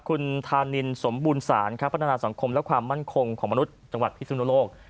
คุณธานินสมบูรณสารครับพัฒนาสังคมและความมั่นคงของมนุษย์จังหวัดพิสุนโลก